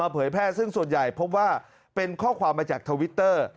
เผยแพร่ซึ่งส่วนใหญ่พบว่าเป็นข้อความมาจากทวิตเตอร์